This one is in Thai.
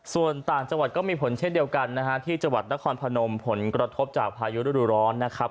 ส่วนต่างจังหวัดก็มีผลเช่นเดียวกันนะฮะที่จังหวัดนครพนมผลกระทบจากพายุฤดูร้อนนะครับ